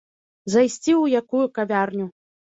Зайсці ў якую кавярню.